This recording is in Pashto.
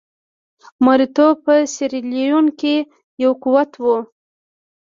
مریتوب په سیریلیون کې یو قوت وو.